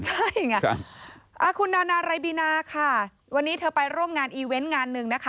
ใช่ไงคุณนานารายบินาค่ะวันนี้เธอไปร่วมงานอีเวนต์งานหนึ่งนะคะ